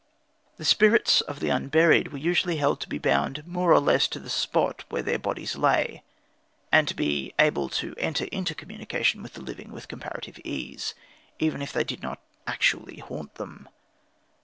The spirits of the unburied were usually held to be bound, more or less, to the spot where their bodies lay, and to be able to enter into communication with the living with comparative ease, even if they did not actually haunt them.